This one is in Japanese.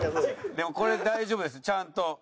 でもこれ大丈夫ですちゃんと酒井がね。